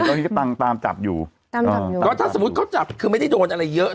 ตอนนี้ก็ตั้งตามจับอยู่ตามจับอยู่ก็ถ้าสมมุติเขาจับคือไม่ได้โดนอะไรเยอะ